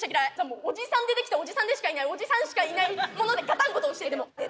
おじさんで出来たおじさんでしかいないおじさんしかいないものでガタンゴトンしてんだよ。